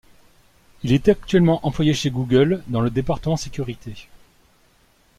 Il est actuellement employé chez Google dans le département sécurité.